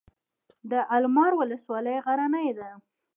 د المار ولسوالۍ غرنۍ ده